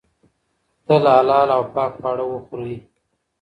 تل حلال او پاک خواړه وخورئ.